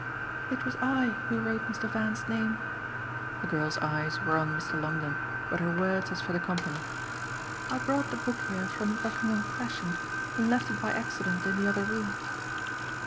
"It was I who wrote Mr. Van's name." The girl's eyes were on Mr. Longdon, but her words as for the company. "I brought the book here from Buckingham Crescent and left it by accident in the other room."